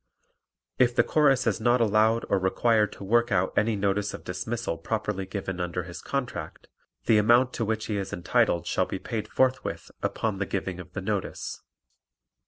If the Chorus is not allowed or required to work out any notice of dismissal properly given under his contract the amount to which he is entitled shall be paid forthwith upon the giving of the notice.